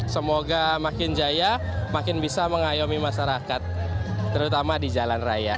semoga makin jaya makin bisa mengayomi masyarakat terutama di jalan raya